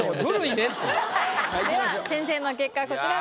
では先生の結果こちらです。